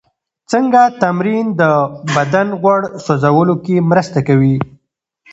څنګه تمرین د بدن غوړ سوځولو کې مرسته کوي؟